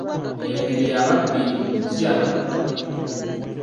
Eyo ngeri ya babbi, ssi ya bantu ba bulijjo.